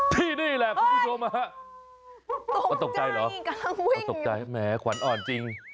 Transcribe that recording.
ที่นี่แหละพวกคุณโยมะฮะตกใจเหรอตกใจแหมขวัญอ่อนจริง